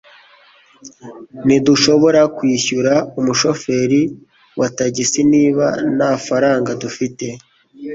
ntidushobora kwishyura umushoferi wa tagisi niba nta faranga dufite